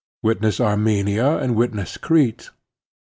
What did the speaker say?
Witness Armenia and witness Crete.